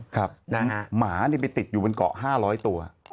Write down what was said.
ครับหมาไปติดอยู่บนเกาะ๕๐๐ตัว